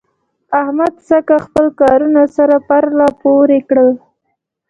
احمد سږکال خپل کارونه سره پرله پورې کړل.